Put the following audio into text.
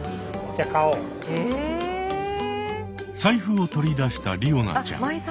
財布を取り出したりおなちゃん。